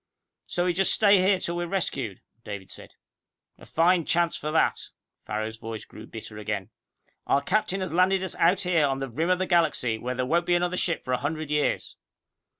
"So we just stay here until we're rescued," David said. "A fine chance for that!" Farrow's voice grew bitter again. "Our captain has landed us out here on the rim of the galaxy where there won't be another ship for a hundred years!"